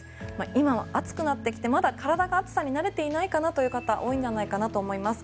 今暑くなってきてまだ体が暑さに慣れていないかなという方多いんじゃないかと思います。